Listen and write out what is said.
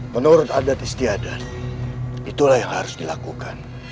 menurut adat istiadat itulah yang harus dilakukan